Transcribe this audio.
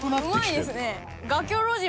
うまいですね！